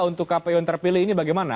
untuk kpu yang terpilih ini bagaimana